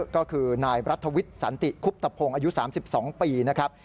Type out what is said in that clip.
ก็คือนายรัฐวิทย์สันติคุบตะพงศ์อายุ๓๒ปีนะครับ